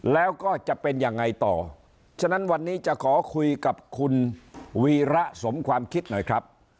แล้วก็จะเป็นยังไงต่อฉะนั้นวันนี้จะขอคุยกับคุณวีระสมความคิดหน่อยครับ